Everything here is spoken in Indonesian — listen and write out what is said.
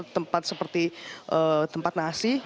tempat seperti tempat nasi